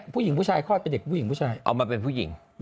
ผู้ชายคลอดเป็นเด็กผู้หญิงผู้ชายเอามาเป็นผู้หญิง